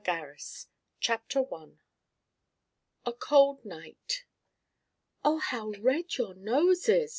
GARIS 1914 CHAPTER I A COLD NIGHT "Oh, how red your nose is!"